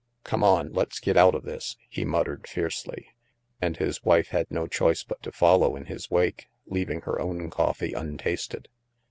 " Come on, let's get out of this," he muttered fiercely, and his wife had no choice but to follow in his wake, leaving her own coffee untasted.